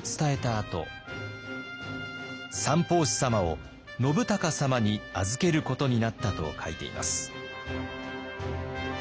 あと「三法師様を信孝様に預けることになった」と書いています。